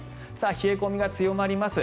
冷え込みが強まります。